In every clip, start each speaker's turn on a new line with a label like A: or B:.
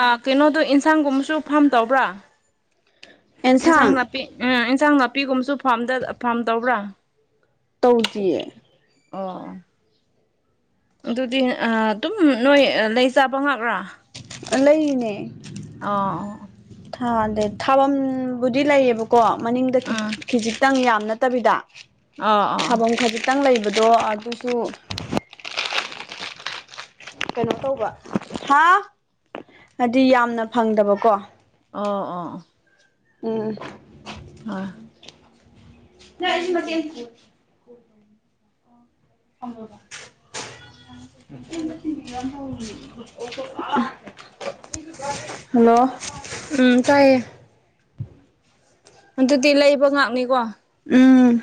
A: ꯑꯦ ꯀꯩꯅꯣꯗꯣ ꯌꯦꯟꯁꯥꯡꯒꯨꯝꯕꯁꯨ ꯐꯥꯝ ꯇꯧꯕ꯭ꯔꯥ ꯏꯟꯁꯥꯡ
B: ꯑꯦꯟꯁꯥꯡ
A: ꯅꯥꯄꯤ ꯎꯝ ꯏꯟꯁꯥꯡ ꯅꯥꯄꯤꯒꯨꯝꯕꯁꯨ ꯐꯥꯔꯝꯗ ꯐꯥꯔꯝ ꯇꯧꯕ꯭ꯔꯥ
B: ꯇꯧꯗꯤꯌꯦ
A: ꯑꯣ ꯑꯗꯨꯗꯤ ꯑꯗꯨꯝ ꯅꯣꯏ ꯂꯩ ꯆꯥꯕ ꯉꯥꯛ꯭ꯔꯥ
B: ꯂꯩꯅꯦ
A: ꯑ
B: ꯊꯥꯗꯦ ꯊꯥꯐꯝꯕꯨꯗꯤ ꯂꯩꯌꯦꯕꯀꯣ ꯃꯅꯤꯡꯗ ꯈꯤꯠ
A: ꯎꯝ
B: ꯈꯤꯖꯤꯛꯇꯪ ꯌꯥꯝꯅ ꯇꯕꯤꯗ
A: ꯑꯣ ꯑꯣ
B: ꯊꯥꯕꯝ ꯈꯖꯤꯛꯇꯪ ꯂꯩꯕꯗꯣ ꯑꯗꯨꯁꯨ ꯀꯩꯅꯣ ꯇꯧꯕ ꯍꯥ ꯍꯥꯏꯗꯤ ꯌꯥꯝꯅ ꯐꯪꯗꯕꯀꯣ
A: ꯑꯣ ꯑꯣ
B: ꯎꯝ
A: ꯍꯣꯏ
B: ꯌꯥ ꯑꯩꯁꯨ ꯃꯇꯦꯛ ꯑꯃ ꯄꯤꯌꯨ [unintelligible] ꯍꯜꯂꯣ
A: ꯎꯝ ꯇꯥꯏꯌꯦ ꯑꯗꯨꯗꯤ ꯂꯩꯕ ꯉꯥꯛꯅꯤꯀꯣ
B: ꯎꯝ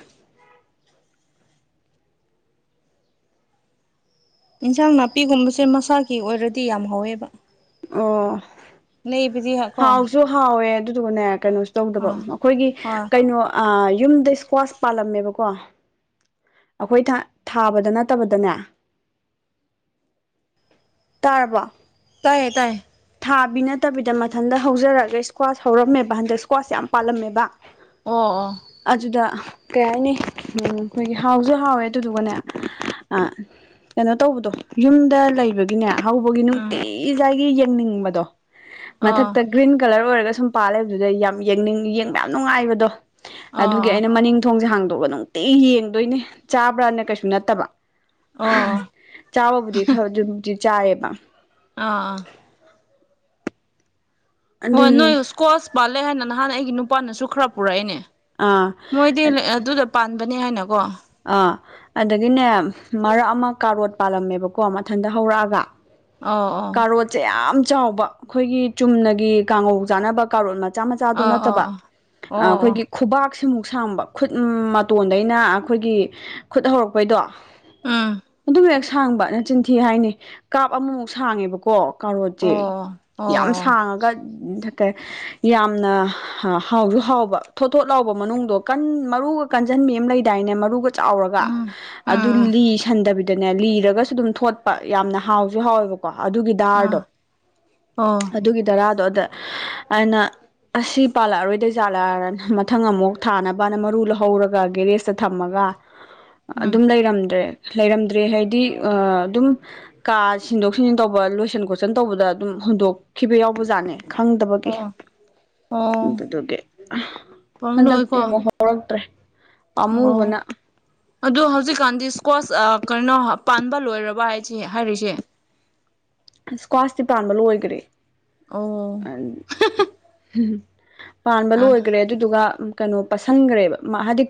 A: ꯏꯟꯁꯥꯡ ꯅꯥꯄꯤꯒꯨꯝꯕꯁꯦ ꯃꯁꯥꯒꯤ ꯑꯣꯏꯔꯗꯤ ꯌꯥꯝ ꯍꯧꯋꯦꯕ
B: ꯑꯣ
A: ꯅꯕꯗꯤ
B: ꯍꯥꯎꯁꯨ ꯍꯥꯎꯋꯦ ꯑꯗꯨꯗꯨꯒꯅꯦ ꯀꯩꯅꯣꯁꯨ ꯇꯧꯗꯕ
A: ꯑꯥ
B: ꯑꯩꯈꯣꯏꯒꯤ
A: ꯍꯣꯏ
B: ꯀꯩꯅꯣ ꯌꯨꯝꯗ ꯏꯁꯀ꯭ꯋꯥꯁ ꯄꯥꯜꯂꯝꯃꯦꯕꯀꯣ ꯑꯩꯈꯣꯏ ꯊꯥꯕꯗ ꯅꯠꯇꯕꯗꯅꯦ ꯇꯥꯔꯕ
A: ꯇꯥꯏꯌꯦ ꯇꯥꯏꯌꯦ
B: ꯊꯥꯕꯤ ꯅꯠꯇꯕꯤꯗ ꯃꯊꯟꯇ ꯍꯧꯖꯔꯒ ꯏꯁꯀ꯭ꯋꯥꯁ ꯍꯧꯔꯝꯃꯦꯕ ꯍꯟꯗꯛ ꯏꯁꯀ꯭ꯋꯥꯁ ꯌꯥꯝ ꯄꯥꯜꯂꯝꯃꯦꯕ
A: ꯑꯣ ꯑꯣꯥ
B: ꯑꯗꯨꯗ ꯀꯩ ꯍꯥꯏꯅꯤ ꯑꯩꯈꯣꯏꯒꯤ ꯍꯥꯎꯁꯨ ꯍꯥꯎꯋꯦ ꯑꯗꯨꯗꯨꯒꯅꯦ ꯑ ꯀꯩꯅꯣ ꯇꯧꯕꯗꯣ ꯌꯨꯝꯗ ꯂꯩꯕꯒꯤꯅꯦ ꯍꯧꯕꯒꯤ
A: ꯎꯝ
B: ꯅꯨꯡꯇꯤꯖꯥꯏꯒꯤ ꯌꯦꯡꯅꯤꯡꯕꯗꯣ
A: ꯑꯣ
B: ꯃꯊꯛꯇ ꯒ꯭ꯔꯤꯟ ꯀꯂꯔ ꯑꯣꯏꯔꯒ ꯁꯨꯝ ꯄꯥꯜꯂꯦꯕꯗꯨꯗꯩ ꯌꯥꯝ ꯌꯦꯡꯅꯤꯡ ꯌꯦꯡꯕ ꯌꯥꯝ ꯅꯨꯡꯉꯥꯏꯕꯗꯣ
A: ꯑꯣ
B: ꯑꯗꯨꯒꯤ ꯑꯩꯅ ꯃꯅꯤꯡ ꯊꯣꯡꯁꯦ ꯍꯥꯡꯗꯣꯛꯑꯒ ꯅꯨꯡꯇꯤ ꯌꯦꯡꯗꯣꯏꯅꯦ ꯆꯥꯕ꯭ꯔꯅ ꯀꯩꯁꯨ ꯅꯠꯇꯕ
A: ꯑꯣ
B: ꯆꯥꯕꯕꯨꯗꯤ ꯈꯔꯗꯨꯕꯨꯗꯤ ꯆꯥꯏꯌꯦꯕ
A: ꯑꯥ ꯑꯥ ꯍꯣꯏ
B: ꯑꯗꯨꯒꯤ
A: ꯅꯣꯏ ꯏꯁꯀꯣꯁ ꯄꯥꯜꯂꯦ ꯍꯥꯏꯅ ꯅꯍꯥꯟ ꯑꯩꯒꯤ ꯅꯨꯄꯥꯅꯁꯨ ꯈꯔ ꯄꯨꯔꯛꯏꯅꯦ
B: ꯑꯥ
A: ꯃꯣꯏꯗꯤ ꯑꯗꯨꯗ ꯄꯥꯟꯕꯅꯦ ꯍꯥꯏꯅꯀꯣ
B: ꯑꯥ ꯑꯗꯒꯤꯅꯦ ꯃꯔꯛ ꯑꯃ ꯀꯥꯔꯣꯠ ꯄꯥꯜꯂꯝꯃꯦꯕꯀꯣ ꯃꯊꯟꯇ ꯍꯧꯔꯛꯑꯒ
A: ꯑꯣ ꯑꯣ
B: ꯁꯦ ꯌꯥꯝ ꯆꯥꯎꯕ ꯑꯩꯈꯣꯏꯒꯤ ꯆꯨꯝꯅꯒꯤ ꯀꯥꯡꯉꯧ ꯆꯥꯅꯕ ꯀꯥꯔꯣꯠ ꯃꯠ ꯃꯆꯥ ꯃꯆꯥꯗꯨ
A: ꯑꯣ
B: ꯅꯠꯇꯕ
A: ꯑꯣ ꯑꯣ
B: ꯑꯩꯈꯣꯏꯒꯤ ꯈꯨꯕꯥꯛꯁꯤꯃꯨꯛ ꯁꯥꯡꯕ ꯈꯨꯠ ꯃꯇꯣꯟꯗꯩꯅ ꯑꯩꯈꯣꯏꯒꯤ ꯈꯨꯠ ꯍꯧꯔꯛꯄꯩꯗꯣ ꯑꯗꯨ ꯍꯦꯛ ꯁꯥꯡꯕ ꯅꯆꯤꯟꯊꯤ ꯍꯥꯏꯅꯤ ꯀꯥꯞ ꯑꯃꯃꯨꯛ ꯁꯥꯡꯉꯦꯕꯀꯣ
A: ꯑꯣ
B: ꯀꯥꯔꯣꯁꯦ
A: ꯑꯣ
B: ꯌꯥꯝ
A: ꯑꯣ
B: ꯁꯥꯡꯉꯒ ꯌꯥꯝꯅ ꯍꯥꯎꯁꯨ ꯍꯥꯎꯕ ꯊꯣꯠ ꯊꯣꯠ ꯍꯥꯎꯕ ꯃꯅꯨꯡꯗꯣ ꯀꯟ ꯃꯔꯨꯒ ꯀꯟꯓꯟꯕꯤ ꯑꯃ ꯂꯩ ꯗꯥꯏꯅꯦ ꯃꯔꯨꯒ ꯆꯥꯎꯔꯒ
A: ꯎꯝ
B: ꯑꯗꯨ
A: ꯑꯣ
B: ꯂꯤꯁꯟꯗꯕꯤꯗ ꯑꯗꯨꯅꯦ ꯂꯤꯔꯒꯁꯨ ꯑꯗꯨꯝ ꯊꯣꯠꯄ ꯌꯥꯝꯅ ꯍꯥꯎꯁꯨ ꯍꯥꯎꯋꯦꯕꯀꯣ ꯑꯗꯨꯒꯤ
A: ꯑꯣ ꯑꯣ
B: ꯗꯥꯔꯗꯣ
A: ꯑꯣ
B: ꯑꯗꯨꯒꯤ ꯔꯥꯗꯣ ꯑꯗ ꯑꯩꯅ ꯑꯁꯤ ꯄꯥꯜꯂꯛꯑꯔꯣꯏꯗꯩ ꯆꯥꯜꯂꯛꯑ ꯃꯊꯪ ꯑꯃꯨꯛ ꯊꯥꯅꯕꯅ ꯃꯔꯨ ꯂꯧꯍꯧꯔꯒ ꯒꯦꯔꯦꯖꯇ ꯊꯝꯃꯒ
A: ꯎꯝ ꯎꯝ ꯎꯝ
B: ꯑꯗꯨꯝ ꯂꯩꯔꯝꯗ꯭ꯔꯦ ꯂꯩꯔꯝꯗ꯭ꯔꯦ ꯍꯥꯏꯗꯤ ꯑꯗꯨꯝ ꯀꯥ ꯁꯤꯟꯗꯣꯛ ꯁꯤꯟꯖꯤꯟ ꯇꯧꯕ ꯂꯣꯏꯁꯤꯟ ꯈꯣꯠꯆꯟ ꯇꯧꯕꯗ ꯑꯗꯨꯝ ꯍꯨꯟꯗꯣꯛꯈꯤꯕ ꯌꯥꯎꯕ ꯖꯥꯠꯅꯦ ꯈꯪꯗꯕꯒꯤ
A: ꯑꯣ ꯎꯝ ꯑꯣ ꯑꯣ
B: ꯑꯗꯨꯗꯨꯒꯤ ꯑ
A: ꯄꯥꯝꯂꯣꯏꯀꯣ
B: ꯍꯟꯗꯛꯇꯤ ꯑꯃꯨꯛ ꯍꯧ ꯊꯣꯛꯔꯛꯇ꯭ꯔꯦ
A: ꯑꯣ ꯑꯗꯣ ꯍꯧꯖꯤꯛꯀꯥꯟꯗꯤ ꯁ꯭ꯀ꯭ꯋꯥꯁ ꯀꯩꯅꯣ ꯄꯥꯟꯕ ꯂꯣꯏꯔꯕ ꯍꯥꯏꯁ ꯍꯥꯏꯔꯤꯁꯦ
B: ꯏꯁ꯭ꯀ꯭ꯋꯥꯁꯇꯤ ꯄꯥꯟꯕ ꯂꯣꯏꯈꯔꯦ
A: ꯑꯥꯎ
B: ꯎꯝ ꯍꯨꯝ ꯄꯥꯟꯕ
A: ꯑ
B: ꯑꯣꯏꯒ꯭ꯔꯦ ꯑꯗꯨꯗꯨꯒ ꯀꯩꯅꯣ ꯄꯁꯟꯈ꯭ꯔꯦꯕ ꯍꯥꯏꯗꯤ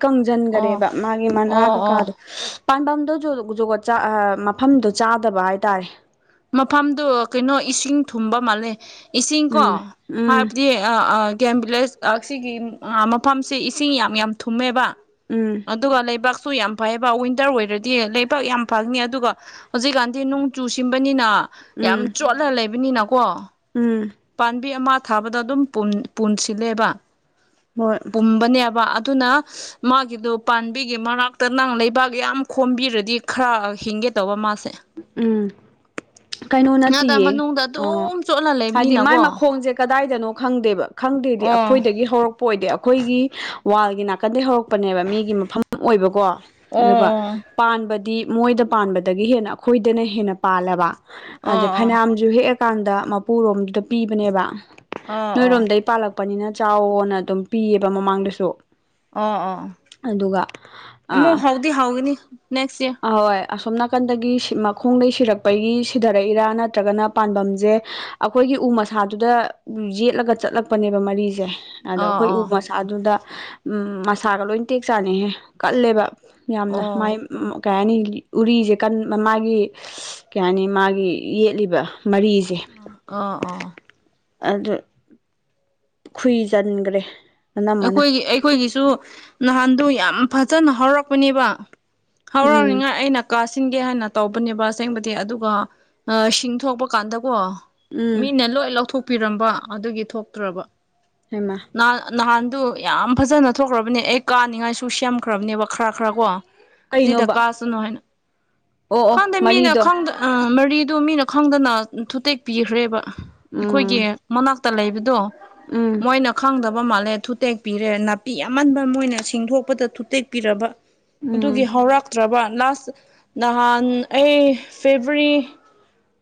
A: ꯑꯣ
B: ꯀꯪꯁꯤꯟꯈꯔꯦꯕ ꯃꯥꯒꯤ ꯃꯅꯥ
A: ꯑꯣ ꯑꯣ
B: ꯀꯀꯥꯗꯣ ꯄꯥꯟꯗꯝꯗꯣ ꯖꯒꯠ ꯃꯐꯝꯗꯣ ꯆꯥꯗꯕ ꯍꯥꯏꯇꯥꯔꯦ
A: ꯃꯐꯝꯗꯨ ꯀꯩꯅꯣ ꯏꯁꯤꯡ ꯊꯨꯝꯕ ꯃꯥꯜꯂꯦ ꯏꯁꯤꯡꯀꯣ
B: ꯎꯝ ꯎꯝ
A: ꯍꯥꯏꯕꯗꯤ ꯑ ꯑ ꯒꯦꯝ ꯚꯤꯂꯦꯖ ꯑ ꯑ ꯁꯤꯒꯤ ꯃꯐꯝꯁꯤ ꯏꯁꯤꯡ ꯌꯥꯝ ꯌꯥꯝ ꯊꯨꯝꯃꯦꯕ
B: ꯎꯝ
A: ꯑꯗꯨꯒ ꯂꯩꯕꯥꯛꯁꯨ ꯌꯥꯝ ꯐꯩꯌꯦꯕ ꯋꯤꯟꯇꯔ ꯑꯣꯏꯔꯗꯤ ꯂꯩꯕꯥꯛ ꯌꯥꯝ ꯐꯅꯤ ꯑꯗꯨꯒ ꯍꯧꯖꯤꯛꯀꯥꯟꯗꯤ ꯅꯣꯡ ꯆꯨ ꯁꯤꯕꯅꯤꯅ ꯌꯥꯝ
B: ꯎꯝ
A: ꯆꯣꯠꯂ ꯂꯩꯕꯅꯤꯅꯀꯣ
B: ꯎꯝ
A: ꯄꯥꯝꯕꯤ ꯑꯃ ꯊꯥꯕꯗ ꯑꯗꯨꯝ ꯄꯨꯟ ꯄꯨꯟꯁꯤꯜꯂꯦꯕ
B: ꯍꯣꯏ
A: ꯄꯨꯝꯕꯅꯦꯕ ꯑꯗꯨꯅ ꯃꯥꯒꯤꯗꯨ ꯄꯥꯝꯕꯤꯒꯤ ꯃꯅꯥꯛꯇ ꯅꯪ ꯂꯩꯕꯥꯛ ꯌꯥꯝ ꯈꯣꯝꯕꯤꯔꯗꯤ ꯈꯔ ꯍꯤꯡꯒꯦ ꯇꯧꯕ ꯃꯥꯁꯦ
B: ꯎꯝ ꯀꯩꯅꯣ
A: ꯉꯥꯗ
B: ꯅꯠꯇꯦꯌꯦ
A: ꯃꯅꯨꯡꯗ
B: ꯑ
A: ꯑꯗꯨꯝ ꯆꯣꯠꯂ
B: ꯍꯥꯏꯗꯤ ꯃꯥꯏ
A: ꯂꯩꯕꯅꯤꯅꯀꯣ
B: ꯃꯈꯣꯡꯁꯦ ꯀꯗꯥꯏꯗꯅꯣ ꯈꯪꯗꯦꯕ ꯈꯪꯗꯦꯗꯤ
A: ꯑꯣ
B: ꯑꯩꯈꯣꯏꯗꯒꯤ ꯍꯧꯔꯛ ꯄꯣꯏꯗꯦ ꯑꯩꯈꯣꯏꯒꯤ ꯋꯥꯜꯒꯤ ꯅꯥꯀꯟꯗꯩ ꯍꯧꯔꯛꯄꯅꯦꯕ ꯃꯤꯒꯤ ꯃꯐꯝ ꯑꯣꯏꯕꯀꯣ
A: ꯑꯣ ꯑꯣ ꯑꯣ
B: ꯑꯗꯨꯒ ꯄꯥꯟꯕꯗꯤ ꯃꯣꯏꯗ ꯄꯥꯟꯕꯗꯒꯤ ꯍꯦꯟꯅ ꯑꯩꯈꯣꯏꯗꯅ ꯍꯦꯟꯅ ꯄꯥꯜꯂꯕ ꯑꯗꯩ
A: ꯑꯣ
B: ꯐꯩꯅꯥꯝꯁꯨ ꯍꯦꯛꯑꯀꯥꯟꯗ ꯃꯄꯨꯔꯣꯝꯗ ꯄꯤꯕꯅꯦꯕ
A: ꯑꯣ ꯑꯣ
B: ꯅꯣꯏꯔꯣꯝꯗꯒꯤ ꯄꯥꯂꯛꯄꯅꯤꯅ ꯆꯥꯎꯅ ꯑꯗꯨꯝ ꯄꯤꯌꯦꯕ ꯃꯃꯥꯡꯗꯁꯨ
A: ꯑꯣ ꯑꯣ
B: ꯑꯗꯨꯒ ꯑ
A: ꯗꯤ ꯍꯥꯎꯒꯅꯤ ꯅꯦꯛꯁ ꯏꯔ
B: ꯑꯍꯣꯏ ꯑꯁꯣꯝ ꯅꯥꯀꯟꯗꯒꯤ ꯁꯤ ꯃꯈꯣꯡꯗꯒꯤ ꯁꯤꯔꯛꯄꯒꯤ ꯁꯤꯗꯔꯛꯏꯔꯥ ꯅꯠꯇ꯭ꯔꯒꯅ ꯄꯥꯟꯕꯝꯖꯦ ꯑꯈꯣꯏꯒꯤ ꯎ ꯃꯁꯥꯗꯨꯗ ꯌꯦꯠꯂꯒ ꯆꯠꯂꯛꯄꯅꯦꯕ ꯃꯔꯤꯁꯦ ꯑꯗꯣ ꯑꯩꯈꯣꯏ ꯎ
A: ꯑꯣ
B: ꯃꯁꯥꯗꯨꯗ ꯎꯝ ꯃꯁꯥꯒ ꯂꯣꯏ ꯇꯦꯛ ꯆꯥꯅꯤꯍꯦ ꯀꯜꯂꯦꯕ ꯌꯥꯝꯅ
A: ꯑꯣ ꯑꯣ
B: ꯃꯥꯏ ꯀꯩ ꯍꯥꯏꯅꯤ ꯎꯔꯤꯁꯦ ꯀꯟꯕ ꯃꯥꯒꯤ ꯀꯩ ꯍꯥꯏꯅꯤ ꯃꯥꯒꯤ ꯌꯦꯠꯂꯤꯕ ꯃꯔꯤꯁꯦ
A: ꯑ ꯑꯣ
B: ꯑꯗꯨ ꯈꯨꯏꯖꯟꯒ꯭ꯔꯦ
A: ꯑꯩꯈꯣꯏꯒꯤ ꯑꯩꯈꯣꯏꯒꯤꯁꯨ ꯅꯍꯥꯟꯗꯣ ꯌꯥꯝ ꯐꯖꯅ ꯍꯧꯔꯛꯄꯅꯦꯕ
B: ꯎꯝ
A: ꯍꯧꯔꯥꯎꫪꯤꯉꯥꯏ ꯑꯩꯅ ꯀꯥꯁꯤꯟꯒꯦ ꯍꯥꯏꯅ ꯇꯧꯕꯅꯦꯕ ꯑꯁꯦꯡꯕꯗꯤ ꯑꯗꯨꯒ ꯁꯤꯡ ꯊꯣꯛꯄ ꯀꯥꯟꯗꯀꯣ
B: ꯎꯝ
A: ꯃꯤꯅ ꯂꯣꯏ ꯂꯧꯊꯣꯛꯄꯤꯔꯝꯕ ꯑꯗꯨꯒꯤ ꯊꯣꯛꯇ꯭ꯔꯕ
B: ꯍꯃ
A: ꯅꯥꯟ ꯅꯍꯥꯟꯗꯨ ꯌꯥꯝ ꯐꯖꯅ ꯊꯣꯛꯈ꯭ꯔꯕꯅꯦ ꯑꯩ ꯀꯥꯅꯤꯡꯉꯥꯏꯁꯨ ꯁꯦꯝꯈ꯭ꯔꯕꯅꯦꯕ ꯈꯔ ꯈꯔ ꯀꯣ ꯁꯤꯗ
B: ꯀꯩꯅꯣꯕ
A: ꯀꯥꯁꯅꯨ ꯍꯥꯏꯅ
B: ꯑꯣ ꯑꯣ
A: ꯈꯪꯗꯦ ꯃꯤꯅ
B: ꯃꯔꯤꯗꯣ
A: ꯈꯪꯗ ꯎꯝ ꯃꯔꯤꯗꯨ ꯃꯤꯅ ꯈꯪꯗꯅ ꯊꯨꯇꯦꯛꯄꯤꯈ꯭ꯔꯦꯕ ꯑꯩꯈꯣꯏꯒꯤ
B: ꯎꯝ
A: ꯃꯅꯥꯛ ꯇ ꯂꯩꯕꯗꯣ
B: ꯎꯝ
A: ꯃꯈꯣꯏꯅ ꯈꯪꯗꯕ ꯃꯥꯜꯂꯦ ꯊꯨꯇꯦꯛꯄꯤꯔꯦ ꯅꯥꯄꯤ ꯑꯃꯟꯕ ꯃꯣꯏꯅ ꯁꯤꯡꯗꯣꯛꯄꯗ ꯊꯨꯇꯦꯛꯄꯤꯔꯕ ꯑꯗꯨꯒꯤ
B: ꯎꯝ
A: ꯍꯧꯔꯛꯇ꯭ꯔꯕ ꯂꯥꯁ ꯅꯍꯥꯟ ꯑꯩ ꯐꯦꯕꯔꯤ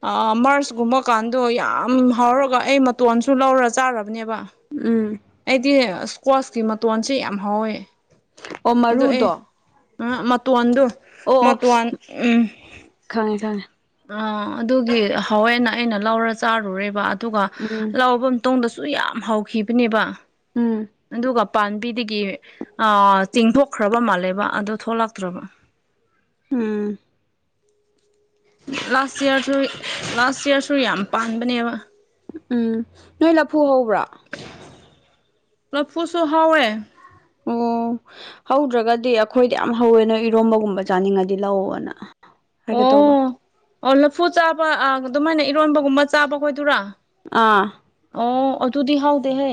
A: ꯑ ꯃꯔꯁꯀꯨꯝꯕꯀꯥꯟꯗꯣ ꯌꯥꯝ ꯍꯥꯎꯔꯒ ꯑꯩ ꯃꯇꯣꯟꯁꯨ ꯂꯧꯔ ꯆꯥꯔꯕꯅꯦꯕ
B: ꯎꯝ
A: ꯑꯩꯗꯤ ꯏꯁꯀ꯭ꯋꯥꯁꯀꯤ ꯃꯇꯣꯟꯁꯦ ꯌꯥꯝ ꯍꯥꯎꯋꯦ ꯑꯣ ꯑꯦ ꯑ ꯃ ꯑꯣꯗꯨ
B: ꯑꯣ
A: ꯃ
B: ꯑꯣ
A: ꯎꯝ
B: ꯈꯪꯉꯦ ꯈꯪꯉꯦ
A: ꯑ ꯑꯗꯨꯒꯤ ꯍꯋꯦꯅ ꯑꯩꯅ ꯂꯧꯔ ꯆꯥꯔꯨꯔꯦꯕ ꯑꯗꯨꯒ
B: ꯎꯝ
A: ꯂꯐꯝ ꯑꯇꯣꯡꯗꯁꯨ ꯌꯥꯝ ꯍꯥꯎꯈꯤꯕꯅꯦꯕ
B: ꯎꯝ
A: ꯑꯗꯨꯒ ꯄꯥꯝꯕꯤꯗꯒꯤ ꯆꯤꯡꯊꯣꯛꯈ꯭ꯔꯕ ꯃꯥꯜꯂꯦꯕ ꯑꯗꯨ ꯊꯣꯛꯂꯛꯇ꯭ꯔꯕ
B: ꯎꯝ
A: ꯂꯥꯁ ꯏꯔꯁꯨ ꯂꯥꯁ ꯏꯌꯥꯔꯁꯨ ꯌꯥꯝ ꯄꯥꯟꯕꯅꯦꯕ
B: ꯎꯝ ꯅꯣꯏ ꯂꯐꯨ ꯍꯧꯕ꯭ꯔꯥ
A: ꯂꯞꯄꯨꯁꯨ ꯍꯥꯎꯋꯦ
B: ꯑꯣ ꯍꯧꯗ꯭ꯔꯒꯗꯤ ꯑꯩꯈꯣꯏꯗꯤ ꯌꯥꯝ ꯍꯧꯋꯦ ꯅꯣꯏ ꯏꯔꯣꯝꯕꯒꯨꯝꯕ ꯆꯥꯅꯤꯡꯉꯗꯤ ꯂꯧꯅ
A: ꯑꯣ ꯑꯣ ꯂꯐꯨ ꯆꯥꯕ ꯑꯗꯨꯃꯥꯏꯅ ꯏꯔꯣꯟꯕꯒꯨꯝꯕ ꯆꯥꯕ ꯈꯣꯏꯗꯔꯥ
B: ꯑꯥ
A: ꯑꯣ ꯑꯣꯆꯨꯗꯤ ꯍꯥꯎꯗ ꯍꯦ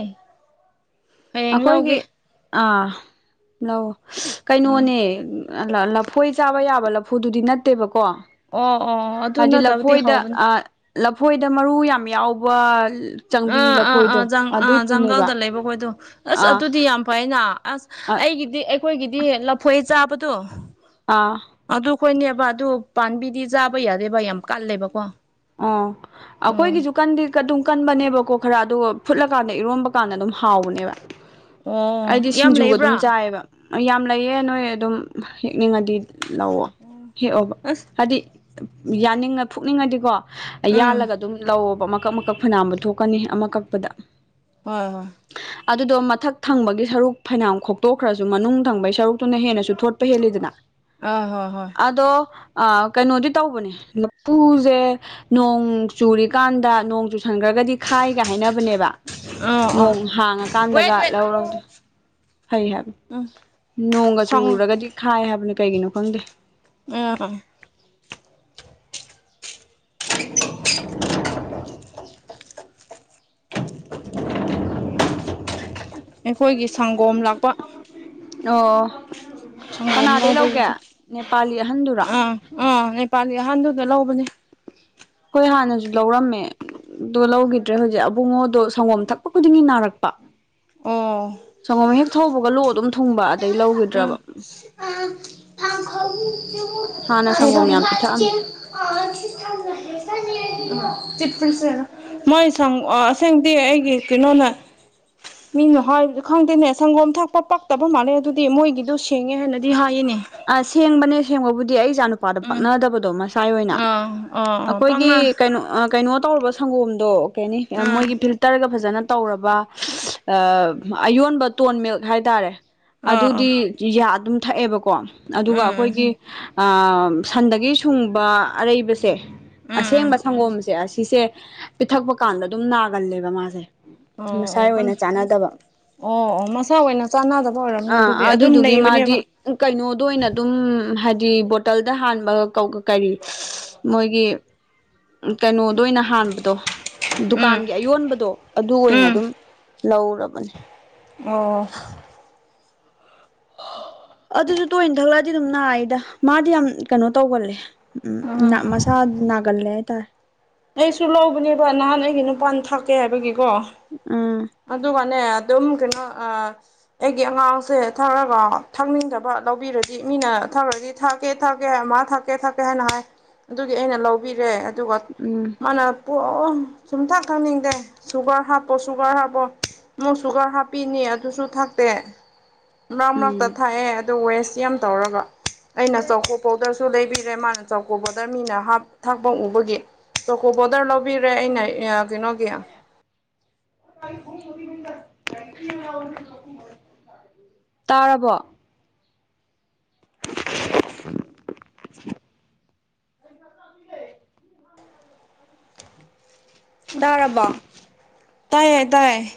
B: ꯑꯩꯈꯣꯏꯒꯤ ꯑꯥ ꯂꯥꯛꯑꯣ
A: ꯎꯝ
B: ꯀꯩꯅꯣꯅꯦ ꯂꯐꯣꯏ ꯆꯥꯕ ꯌꯥꯕ ꯂꯐꯨꯗꯨꯗꯤ ꯅꯠꯇꯦꯕꯀꯣ
A: ꯑꯣ ꯑꯣ ꯑꯗꯨ
B: ꯍꯥꯏꯗꯤ
A: ꯅꯠꯇꯕꯗꯤ
B: ꯂꯐꯣꯏꯗ
A: ꯍꯥꯎꯕꯅꯤ
B: ꯂꯐꯣꯏꯗ ꯃꯔꯨ ꯌꯥꯝ ꯌꯥꯎꯕ ꯆꯪꯕꯤ
A: ꯑꯥ ꯑꯥ
B: ꯂꯐꯣꯏꯗꯣ
A: ꯑꯥ ꯑꯥ
B: ꯑꯗꯨꯗꯨꯅꯦꯕ
A: ꯖꯪꯒꯜꯗ ꯂꯩꯕꯈꯣꯏꯗꯣ ꯑꯁ
B: ꯑꯥ
A: ꯑꯗꯨꯗꯤ ꯌꯥꯝ ꯐꯩꯅ ꯑꯁ ꯑꯩꯒꯤꯗꯤ ꯑꯩꯈꯣꯏꯒꯤꯗꯤ ꯂꯐꯣꯏ ꯆꯥꯕꯗꯣ
B: ꯑꯥ
A: ꯑꯗꯨꯈꯣꯏꯅꯦꯕ ꯑꯗꯨ ꯄꯥꯝꯕꯤꯗꯤ ꯆꯥꯕ ꯌꯥꯗꯦꯕ ꯌꯥꯝ ꯀꯜꯂꯦꯕꯀꯣ
B: ꯑꯣ ꯑ ꯀꯣꯏ
A: ꯎꯝ
B: ꯀꯁꯨ ꯀꯟꯗꯤ ꯑꯗꯨꯝ ꯀꯟꯕꯅꯦꯕꯀꯣ ꯈꯔ ꯑꯗꯨꯒ ꯐꯨꯠꯂꯀꯥꯟꯗ ꯏꯔꯣꯝꯕ ꯀꯥꯟꯗ ꯑꯗꯨꯝ ꯍꯥꯎꯕꯅꯦꯕ
A: ꯑꯣ
B: ꯑꯩꯗꯤ
A: ꯌꯥꯝ
B: ꯁꯤꯡꯖꯨꯒ ꯑꯗꯨꯝ
A: ꯂꯩꯕ꯭ꯔꯥ
B: ꯆꯥꯏꯑꯕ ꯌꯥꯝ ꯂꯩꯑ ꯅꯣꯏ ꯑꯗꯨꯝ ꯍꯦꯛꯅꯤꯡꯉꯗꯤ ꯂꯑꯣ ꯍꯦꯛꯑꯣꯕ
A: ꯑꯁ
B: ꯍꯥꯏꯗꯤ ꯌꯥꯅꯤꯡꯉ ꯐꯨꯛꯅꯤꯡꯉꯗꯤꯀꯣ
A: ꯎꯝ
B: ꯌꯥꯜꯂꯒ ꯑꯗꯨꯝ ꯂꯧꯑꯣꯣꯕ ꯃꯀꯛ ꯃꯀꯛ ꯐꯅꯥꯕ ꯊꯣꯛꯀꯅꯤ ꯑꯃ ꯀꯛꯄꯗ
A: ꯍꯣꯏ ꯍꯣꯏ
B: ꯑꯗꯨꯗꯣ ꯃꯊꯛ ꯊꯪꯕꯒꯤ ꯁꯔꯨꯛ ꯐꯩꯅ ꯈꯣꯛꯇꯣꯛꯈ꯭ꯔꯁꯨ ꯃꯅꯨꯡ ꯊꯪꯕꯒꯤ ꯁꯔꯨꯛꯇꯨꯅ ꯍꯦꯟꯅꯁꯨ ꯊꯣꯠ ꯍꯗꯅ
A: ꯑ ꯍꯣ ꯍꯣꯏ
B: ꯑꯗꯣ ꯀꯩꯅꯣꯗꯤ ꯇꯧꯕꯅꯦ ꯂꯐꯨꯁꯦ ꯅꯣꯡ ꯆꯨꯔꯤꯀꯥꯟꯗ ꯅꯣꯡ ꯆꯨꯁꯤꯟꯈ꯭ꯔꯒꯗꯤ ꯈꯥꯏꯒ ꯍꯥꯏꯅꯕꯅꯦꯕ
A: ꯑꯥ ꯑꯥ
B: ꯅꯣꯡ
A: ꯋꯦꯠ
B: ꯍꯥꯡꯉꯀꯥꯟꯗꯒ
A: ꯋꯦꯠ
B: ꯂꯧꯔꯗ꯭ꯔ ꯐꯩ ꯍꯥꯏꯕꯅꯤ
A: ꯎꯝ
B: ꯅꯣꯡꯒ
A: ꯁꯪ
B: ꯆꯨꯔꯒꯗꯤ ꯈꯥꯏ ꯍꯥꯏꯕꯅꯤ ꯀꯩꯒꯤꯅꯣ ꯈꯪꯗꯦ
A: ꯃꯔꯔ
B: ꯍ [unintelligible]
A: ꯑꯩꯈꯣꯏꯒꯤ ꯁꯪꯒꯣꯝ ꯂꯥꯛꯄ
B: ꯑꯣ
A: ꯁꯪꯒꯣꯝ
B: ꯀꯅꯥꯗꯒꯤꯩ ꯂꯧꯒꯦ
A: ꯂꯧꯕꯒꯤꯁꯦ
B: ꯅꯦꯄꯥꯂꯤ ꯑꯍꯟꯗꯨꯔꯣ
A: ꯑꯥ ꯑꯥ ꯅꯦꯄꯥꯂꯤ ꯑꯍꯟꯗꯨꯗ ꯂꯧꯕꯅꯦ
B: ꯍꯣꯏ ꯍꯥꯟꯅꯁꯨ ꯂꯧꯔꯝꯃꯦ ꯑꯗꯨꯣ ꯂꯧꯈꯤꯗ꯭ꯔꯦ ꯍꯧꯖꯤꯛ ꯑꯕꯨꯡꯉꯣꯗꯣ ꯁꯪꯒꯣꯝ ꯊꯛꯄ ꯈꯨꯗꯤꯡꯒꯤ ꯅꯥꯔꯛꯄ
A: ꯑꯣ
B: ꯁꯪꯒꯣꯝ ꯍꯦꯛ ꯊꯧꯕꯒ ꯂꯨ ꯑꯗꯨꯝ ꯊꯨꯡꯕ ꯑꯗꯩ ꯂꯧꯈꯤꯗ꯭ꯔꯕ
A: ꯑ
B: ꯍꯥꯟꯅ ꯁꯪꯒꯣꯝ ꯌꯥꯝ ꯄꯤꯊꯛꯑꯝꯃꯤ
A: [unintelligible] [inaudible] ꯃꯣꯏ ꯁ ꯑꯁꯦꯡꯗꯤ ꯑꯩꯒꯤ ꯀꯩꯅꯣꯅ ꯃꯤꯅ ꯍꯥꯏꯕ ꯈꯪꯗꯦꯅꯦ ꯁꯪꯒꯣꯝ ꯊꯥꯛꯄ ꯄꯛꯇꯕ ꯃꯥꯜꯂꯦ ꯑꯗꯨꯗꯤ ꯃꯣꯏꯒꯤꯗꯨꯣ ꯁꯦꯡꯉꯦ ꯍꯥꯏꯅꯗꯤ ꯍꯥꯏꯌꯦꯅꯦ
B: ꯑ ꯁꯦꯡꯕꯅꯦ ꯁꯦꯡꯕꯕꯨꯗꯤ ꯑꯩ ꯏꯆꯥ ꯅꯨꯄꯥꯗ
A: ꯎꯝ
B: ꯄꯥꯛꯅꯗꯕꯗꯣ ꯃꯁꯦ ꯉꯥꯏ ꯑꯣꯏꯅ
A: ꯑꯥ ꯑꯥ ꯑꯥ
B: ꯑꯩꯈꯣꯏꯒꯤ
A: ꯄꯥꯛꯅ
B: ꯀꯩꯅꯣ ꯀꯩꯅꯣ ꯇꯧꯔꯕ ꯁꯪꯒꯣꯝꯗꯣ ꯀꯩꯅꯤ
A: ꯑꯥ
B: ꯃꯣꯏꯒꯤ ꯐ ꯇꯔꯒ ꯐꯖꯅ ꯇꯧꯔꯕ ꯑꯌꯣꯟꯕ ꯇꯣꯟ ꯃꯤꯜꯛ ꯍꯥꯏꯇꯥꯔꯦ
A: ꯑꯥ ꯑꯥ
B: ꯑꯗꯨꯗꯤ ꯑꯗꯨꯝ ꯊꯛꯑꯦꯕꯀꯣ ꯑꯗꯨꯒ
A: ꯎꯝ
B: ꯑꯩꯈꯣꯏꯒꯤ ꯁꯟꯗꯒꯤ ꯁꯨꯡꯕ ꯑꯔꯩꯕꯁꯦ
A: ꯎꯝ ꯎꯝ ꯎꯝ
B: ꯑꯁꯦꯡꯕ ꯁꯪꯒꯣꯝꯁꯦ ꯑꯁꯤꯁꯦ ꯄꯤꯊꯛꯄ ꯀꯥꯟꯗ ꯑꯗꯨꯝ ꯅꯥꯒꯜꯂꯦꯕ ꯃꯥꯁꯦ
A: ꯑꯣ ꯑꯣ
B: ꯃꯁꯥꯏ
A: ꯀꯥꯟ
B: ꯑꯣꯏꯅ ꯆꯥꯟꯅꯗꯕ
A: ꯑꯣ ꯑꯣ ꯃꯆꯥꯥꯎ ꯑꯣꯏꯅ ꯆꯥꯟꯅꯗꯕ ꯑꯣꯏꯔꯝꯅꯦ
B: ꯑꯥ
A: ꯑꯗꯨꯗꯤ ꯑꯗꯨꯝ
B: ꯑꯗꯨꯗꯨꯒꯤ ꯃꯥꯗꯤ
A: ꯂꯩꯕꯅꯦꯕ
B: ꯀꯩꯅꯣꯗ ꯑꯣꯏꯅ ꯑꯗꯨꯝ ꯍꯥꯏꯗꯤ ꯕꯣꯇꯜꯗ ꯍꯥꯟꯕ ꯀꯔꯤ ꯃꯣꯏꯒꯤ ꯀꯩꯅꯣꯗ ꯑꯣꯏꯅ ꯍꯥꯟꯕꯗꯣ
A: ꯎꯝ
B: ꯗꯨꯀꯥꯟꯒꯤ ꯑꯌꯣꯟꯕꯗꯣ ꯑꯗꯨ ꯑꯣꯏꯅ
A: ꯎꯝ
B: ꯑꯗꯨꯝ ꯂꯧꯔꯕꯅꯦ
A: ꯑꯣ
B: ꯑꯗꯨꯁꯨ ꯇꯣꯏꯅ ꯊꯛꯂꯛꯑꯗꯤ ꯑꯗꯨꯝ ꯅꯥꯏꯗ ꯃꯥꯗꯤ ꯌꯥꯝ ꯀꯩꯅꯣ ꯇꯧꯒꯜꯂꯦ ꯎꯝ ꯅ ꯃꯁꯥ ꯅꯥꯒꯜꯂꯦ ꯍꯦꯇꯥꯏ
A: ꯑꯩꯁꯨ ꯂꯧꯕꯅꯦꯕ ꯅꯍꯥꯟ ꯑꯩꯒꯤ ꯅꯨꯄꯥꯥꯟ ꯊꯥꯛꯀꯦ ꯍꯥꯏꯕꯒꯤꯀꯣ
B: ꯎꯝ
A: ꯑꯗꯨꯒꯅꯦ ꯑꯗꯨꯝ ꯀꯩꯅꯣ ꯑꯩꯒꯤ ꯑꯉꯥꯡꯁꯦ ꯊꯔꯒ ꯊꯛꯅꯤꯡꯗꯕ ꯂꯧꯕꯤꯔꯗꯤ ꯃꯤꯅ ꯊꯥꯔꯗꯤ ꯊꯥꯛꯀꯦ ꯊꯥꯛꯀꯦ ꯃꯥ ꯊꯥꯛꯀꯦ ꯊꯥꯛꯀꯦ ꯍꯥꯏꯅ ꯍꯥꯏ ꯑꯗꯨꯒꯤ ꯑꯩꯅ ꯂꯧꯕꯤꯔꯦ ꯑꯗꯨꯒ
B: ꯎꯝ
A: ꯃꯥꯅ ꯄ ꯁꯨꯝꯊꯥꯛ ꯈꯪꯅꯤꯡꯗꯦ ꯁꯨꯒꯔ ꯍꯥꯞꯄꯣ ꯁꯨꯒꯔ ꯍꯥꯞꯄ ꯃꯨ ꯁꯨꯒꯔ ꯍꯥꯞꯄꯤꯅꯤ ꯑꯗꯨꯁꯨ ꯊꯛꯇꯦ ꯃꯔꯛ
B: ꯎꯝ
A: ꯃꯔꯛꯇ ꯊꯥꯛꯑꯦ ꯑꯗꯨ ꯋꯦꯁ ꯌꯥꯝ ꯇꯧꯔꯒ ꯑꯩꯅ ꯑ ꯆꯀꯣ ꯄꯣꯗꯔꯁꯨ ꯂꯩꯕꯤꯔꯦ ꯃꯥꯅ ꯆꯧꯀꯣ ꯕꯣꯗꯔ ꯃꯤꯅ ꯊꯥꯛꯄ ꯎꯕꯒꯤ ꯇꯣꯀꯣ ꯕꯣꯗꯔ ꯂꯧꯕꯤꯔꯦ ꯑꯩꯅ ꯀꯩꯅꯣꯒꯤ
B: [unintelligible] ꯇꯥꯔꯕꯣ [unintelligible] ꯇꯥꯔꯕ
A: ꯇꯥꯏꯌꯦ ꯇꯥꯏꯌꯦ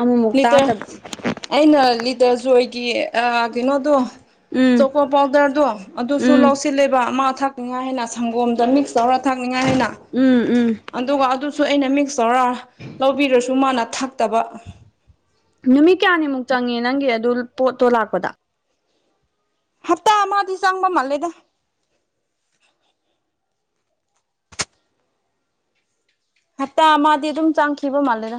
B: ꯑꯃ ꯃꯨꯛ
A: ꯂꯤꯇꯔ
B: ꯇꯥꯇꯔ
A: ꯑꯩꯅ ꯂꯤꯇ ꯖꯣꯏꯒꯤ ꯀꯩꯅꯣꯗꯣ
B: ꯎꯝ
A: ꯆꯣꯀꯣ ꯄꯥꯎꯗꯔꯗꯣ ꯑꯗꯨꯁꯨ
B: ꯎꯝ
A: ꯂꯧꯁꯤ ꯆꯤꯜꯂꯦꯕ ꯑꯃ ꯊꯥꯛꯅꯤꯡꯉꯥꯏ ꯍꯥꯏꯅ ꯁꯪꯒꯣꯝꯗ ꯃꯤꯛꯁ ꯇꯧꯔ ꯊꯥꯛꯅꯤꯡꯉꯥꯏ ꯍꯥꯏꯅ
B: ꯎꯝ ꯎꯝ
A: ꯑꯗꯨꯒ ꯑꯗꯨꯁꯨ ꯑꯩꯅ ꯃꯤꯛꯁ ꯇꯧꯔ ꯂꯧꯕꯤꯔꯁꯨ ꯃꯥꯅ ꯊꯛꯇꯕ
B: ꯅꯨꯃꯤꯠ ꯀꯌꯥꯅꯤꯃꯨꯛ ꯆꯪꯉꯦ ꯅꯪꯒꯤ ꯑꯗꯨ ꯄꯣꯠꯇꯣ ꯂꯥꯛꯄꯗ
A: ꯍꯞꯇꯥ ꯑꯃꯗꯤꯗꯤ ꯆꯪꯕ ꯃꯥꯜꯂꯦꯗ ꯍꯞꯇꯥ ꯑꯃꯗꯤꯗꯤ ꯑꯗꯨꯝ ꯆꯪꯈꯤꯕ ꯃꯥꯜꯂꯦꯔ